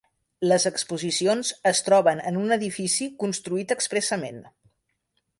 Les exposicions es troben en un edifici construït expressament.